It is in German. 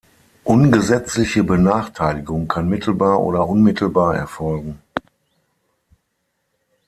Ungesetzliche Benachteiligung kann mittelbar oder unmittelbar erfolgen.